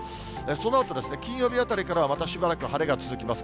そのあと、金曜日あたりからまたしばらく晴れが続きます。